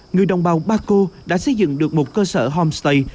người đồng bào baco đã xây dựng được một cơ sở homestay